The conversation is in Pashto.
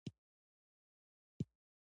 د شاتو مچۍ د ګلانو څخه رس اخلي.